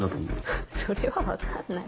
フッそれは分かんない。